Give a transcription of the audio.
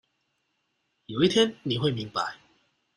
有一天你會明白